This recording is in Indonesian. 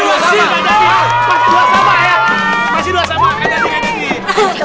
masih dua sama ya